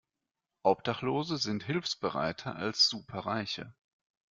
Obdachlose sind hilfsbereiter als Superreiche.